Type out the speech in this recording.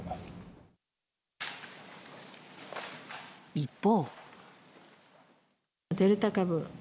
一方。